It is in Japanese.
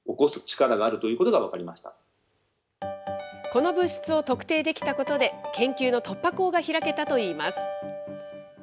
この物質を特定できたことで、研究の突破口が開けたといいます。